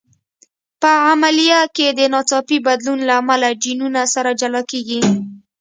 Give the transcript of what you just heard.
په عملیه کې د ناڅاپي بدلون له امله جینونه سره جلا کېږي.